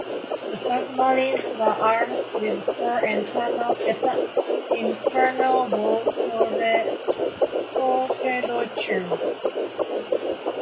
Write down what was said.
The submarines were armed with four internal bow torpedo tubes.